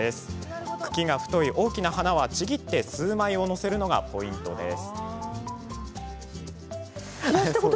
茎が太い大きな花はちぎって数枚を載せるのがポイントです。